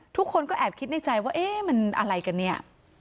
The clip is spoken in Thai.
ทุกคนก็แอบคิดในใจว่าเอ๊ะมันอะไรกันเนี่ย